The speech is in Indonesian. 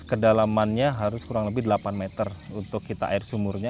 kedalamannya harus kurang lebih delapan meter untuk kita air sumurnya